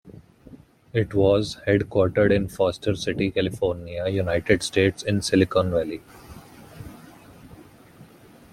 It was headquartered in Foster City, California, United States, in Silicon Valley.